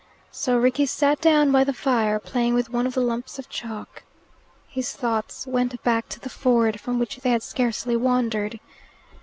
So Rickie sat down by the fire playing with one of the lumps of chalk. His thoughts went back to the ford, from which they had scarcely wandered.